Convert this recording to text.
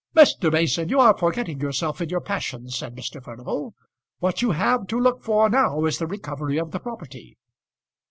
"Mr. Mason, you are forgetting yourself in your passion," said Mr. Furnival. "What you have to look for now is the recovery of the property."